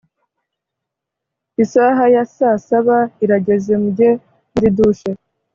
isaha ya saa saba irageze mujye muridushe